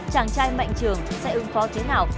chàng trai mạnh trường sẽ ứng phó thế nào